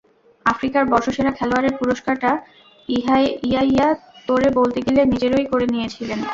আফ্রিকার বর্ষসেরা খেলোয়াড়ের পুরস্কারটা ইয়াইয়া তোরে বলতে গেলে নিজেরই করে নিয়েছিলেন।